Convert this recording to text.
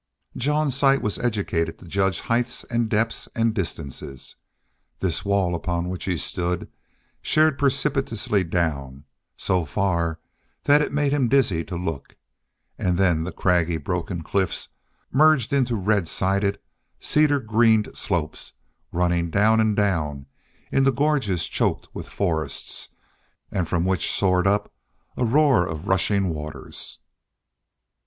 Jean's sight was educated to judge heights and depths and distances. This wall upon which he stood sheered precipitously down, so far that it made him dizzy to look, and then the craggy broken cliffs merged into red slided, cedar greened slopes running down and down into gorges choked with forests, and from which soared up a roar of rushing waters.